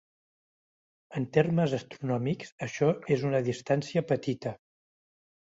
En termes astronòmics, això és una distància petita.